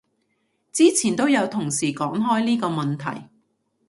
之前都有同事講開呢個問題